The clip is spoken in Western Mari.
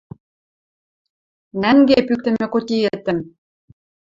Нӓнге пӱктӹмӹ котиэтӹм!